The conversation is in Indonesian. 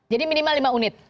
jadi minimal lima unit